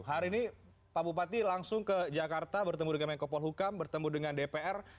hari ini pak bupati langsung ke jakarta bertemu dengan menko polhukam bertemu dengan dpr